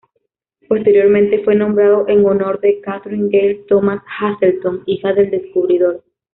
Posteriormente fue nombrado en honor de Kathryn Gail Thomas-Hazelton, hija del descubridor.